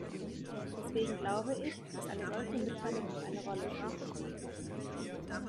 Deswegen glaube ich, dass eine solche Mitteilung schon eine Rolle spielen kann.